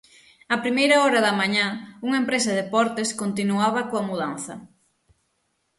Á primeira hora da mañá, unha empresa de portes continuaba coa mudanza.